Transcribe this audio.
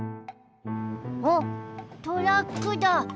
あっトラックだ。